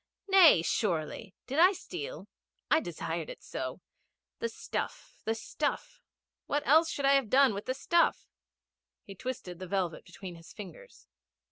'Nay, surely. Did I steal? I desired it so. The stuff the stuff what else should I have done with the stuff?' He twisted the velvet between his fingers.